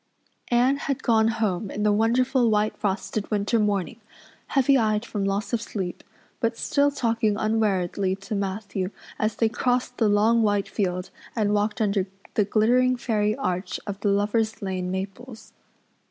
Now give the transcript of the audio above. Anne had gone home in the wonderful, white frosted winter morning, heavy eyed from loss of sleep, but still talking unweariedly to Matthew as they crossed the long white field and walked under the glittering fairy arch of the Lover's Lane maples.